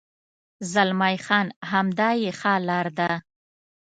زلمی خان: همدا یې ښه لار ده.